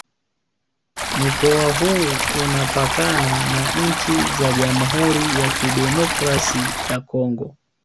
Mkoa huu unapakana na nchi za Jamhuri ya Kidemokrasi ya Kongo